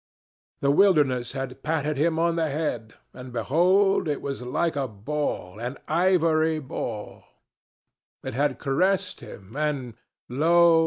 The wilderness had patted him on the head, and, behold, it was like a ball an ivory ball; it had caressed him, and lo!